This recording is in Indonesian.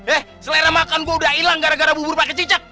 eh selera makan gue udah hilang gara gara bubur pakai cicak